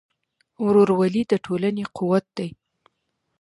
ورورولي د ټولنې قوت دی.